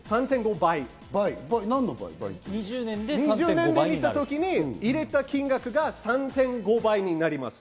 ２０年で見たときに入れた金額が３．５倍になります。